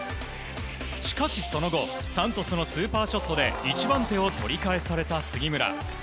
しかし、その後サントスのスーパーショットで１番手を取り返された杉村。